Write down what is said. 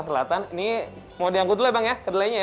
ini kecelakaan selatan ini mau dianggut dulu ya bang ya kedelainya ya